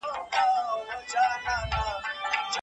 هغوی په نوي راټوکېدلي چمن کې ګرځي.